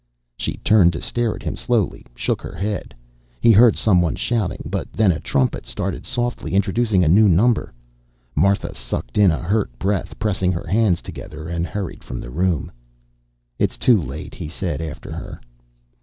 She turned to stare at him, slowly shook her head. He heard someone shouting, but then a trumpet started softly, introducing a new number. Martha sucked in a hurt breath, pressed her hands together, and hurried from the room. "It's too late," he said after her.